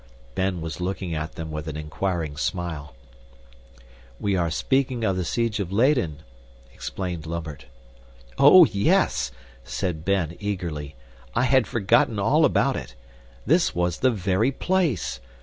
Ben was looking at them with an inquiring smile. "We are speaking of the siege of Leyden," explained Lambert. "Oh, yes," said Ben, eagerly, "I had forgotten all about it. This was the very place.